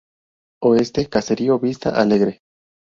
Oeste: Caserío Vista Alegre.